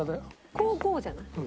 こうこうじゃない？